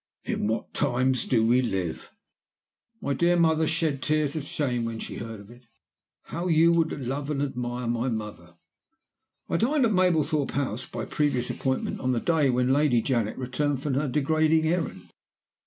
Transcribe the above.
In what times do we live! My dear mother shed tears of shame when she heard of it. How you would love and admire my mother! "I dined at Mablethorpe House, by previous appointment, on the day when Lady Janet returned from her degrading errand.